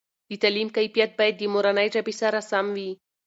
دتعلیم کیفیت باید د مورنۍ ژبې سره سم وي.